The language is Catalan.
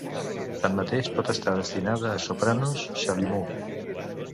Tanmateix, pot estar destinada a sopranos chalumeau.